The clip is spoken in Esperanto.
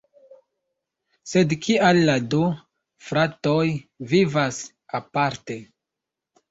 Sed kial la du "fratoj" vivas aparte?